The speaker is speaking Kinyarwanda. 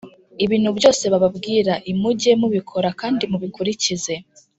Ibintu byose bababwira l mujye mubikora kandi mubikurikize